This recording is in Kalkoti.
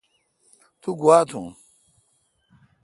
تو گوا تون؟